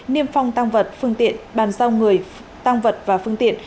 niêm phong tăng vật phương tiện bàn giao người tăng vật và phương tiện